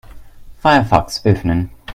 Firefox öffnen.